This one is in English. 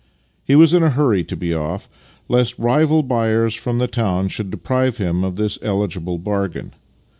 He was in a hurry to be off, lest rival buyers from the town should deprive him of this eligible bargain.